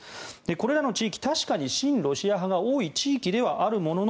これらの地域、確かに親ロシア派が多い地域ではあるものの